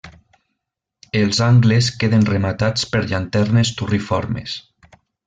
Els angles queden rematats per llanternes turriformes.